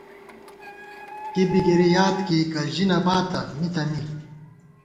کی بی گِری یاد کېئیکہ، ژی نَہ باتہ مِتہ می